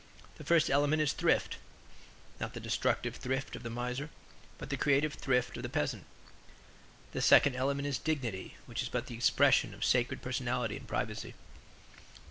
The first element is thrift; not the destructive thrift of the miser, but the creative thrift of the peasant; the second element is dignity, which is but the expression of sacred personality and privacy.